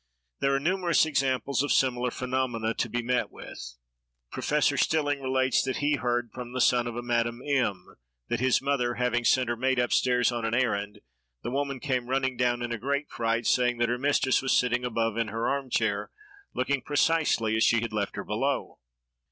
There are numerous examples of similar phenomena to be met with. Professor Stilling relates that he heard from the son of a Madame M——, that his mother, having sent her maid up stairs on an errand, the woman came running down in a great fright, saying that her mistress was sitting above, in her arm chair, looking precisely as she had left her below.